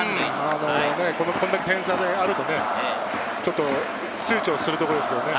これだけの点差であると、ちょっと、ちゅうちょするところですけどね。